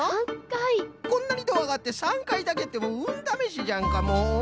こんなにドアがあって３かいだけってうんだめしじゃんかもう。